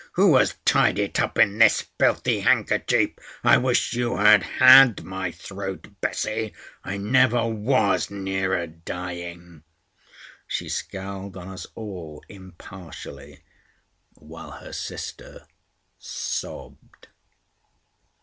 Who has tied it up in this filthy handkerchief? I wish you had had my throat, Bessie. I never was nearer dying!" She scowled on us all impartially, while her sister sobbed.